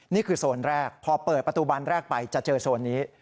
นี่คือโซนแรกพอเปิดประตูบันแรกไปจะเจอโซนนี้